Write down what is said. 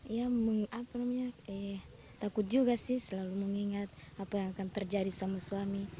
ya takut juga sih selalu mengingat apa yang akan terjadi sama suami